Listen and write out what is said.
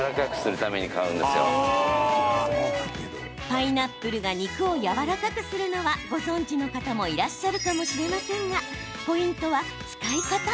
パイナップルが肉をやわらかくするのはご存じの方もいらっしゃるかもしれませんがポイントは使い方。